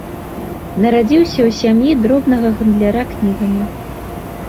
Нарадзіўся ў сям'і дробнага гандляра кнігамі.